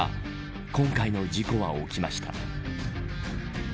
今回の事故は起きました。